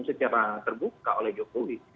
secara terbuka oleh jokowi